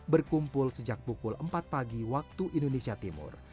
berkumpul sejak pukul empat pagi waktu indonesia timur